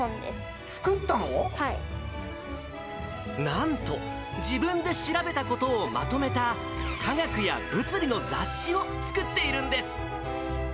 なんと、自分で調べたことをまとめた、科学や物理の雑誌を作っているんです。